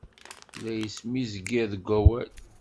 La ismezgir deg wawal.